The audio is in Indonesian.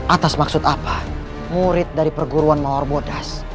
atas maksud apa murid dari perguruan mawar modas